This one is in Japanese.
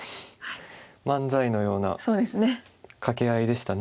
漫才のような掛け合いでしたね。